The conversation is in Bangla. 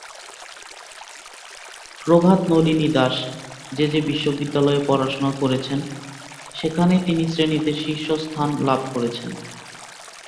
প্রভাত নলিনী দাস যে যে বিশ্ববিদ্যালয়ে পড়াশোনা করেছেন সেখানেই তিনি শ্রেণীতে শীর্ষস্থান লাভ করেছেন।